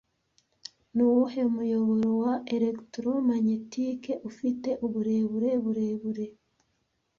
Nuwuhe muyoboro wa electromagnetique ufite uburebure burebure